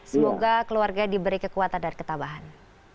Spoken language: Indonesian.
semoga keluarga diberi kekuatan dan ketabahan